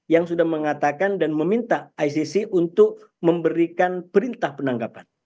yang sudah mengatakan dan meminta icc untuk memberikan perintah penangkapan